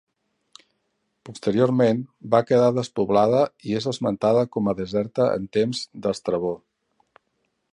Posteriorment va quedar despoblada i és esmentada com a deserta en temps d'Estrabó.